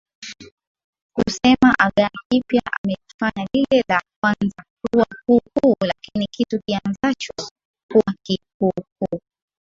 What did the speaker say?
kusema Agano jipya amelifanya lile la kwanza kuwa kuukuu Lakini kitu kianzacho kuwa kikuukuu